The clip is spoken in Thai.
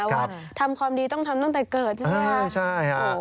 ว่าทำความดีต้องทำตั้งแต่เกิดใช่ไหมคะ